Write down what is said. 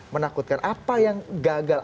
menakutkan apa yang gagal